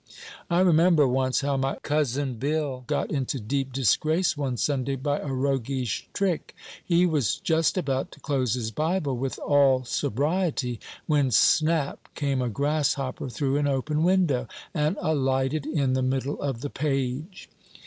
I remember once how my cousin Bill got into deep disgrace one Sunday by a roguish trick. He was just about to close his Bible with all sobriety, when snap came a grasshopper through an open window, and alighted in the middle of the page.